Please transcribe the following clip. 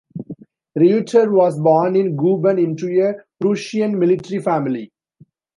Reuter was born in Guben into a Prussian military family.